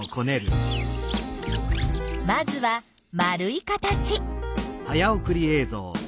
まずは丸い形。